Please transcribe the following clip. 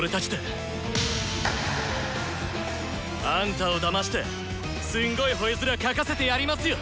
アンタをだましてすんごいほえ面かかせてやりますよ。